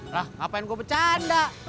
lah ngapain gue bercanda